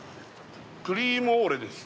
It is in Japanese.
クリームオーレです